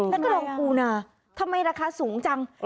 กระดองปูนาทำไมราคาสูงจัง